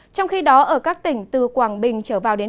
trong khi đó ở các tỉnh từ quảng bình trở vào đến